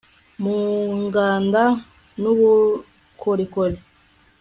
mu nganda n'ubukorikori